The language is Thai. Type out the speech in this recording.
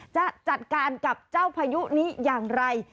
จะจัดการกับเจ้าพายุนี้อย่างไร